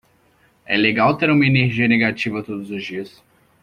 É legal ter uma energia negativa todos os dias.